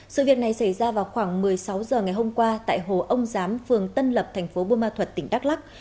sự việc này xảy ra vào khoảng một mươi sáu h ngày hôm qua tại hồ ông giám phường tân lập thành phố buôn ma thuật tỉnh đắk lắc